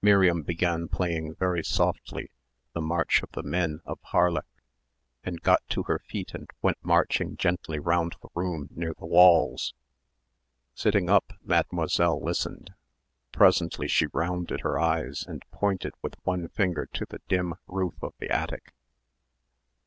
Miriam began playing very softly "The March of the Men of Harlech," and got to her feet and went marching gently round the room near the walls. Sitting up, Mademoiselle listened. Presently she rounded her eyes and pointed with one finger to the dim roof of the attic.